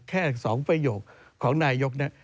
แค่สองประโยคของนายกเนี่ย